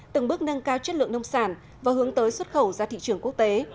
từng bước nâng cao chất lượng nông sản và hướng tới xuất khẩu ra thị trường quốc tế